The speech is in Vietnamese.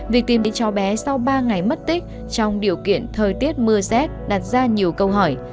việc tìm đến cháu bé sau ba ngày mất tích trong điều kiện thời tiết mưa rét đặt ra nhiều câu hỏi